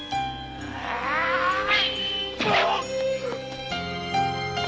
はい。